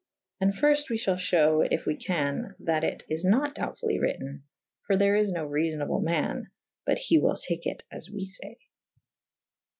And firft we f hal fhewe if we can that it is nat doubtfully wryten / for there is no reafonable man : but he wyl take it as we fay.